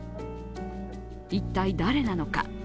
一体、誰なのか。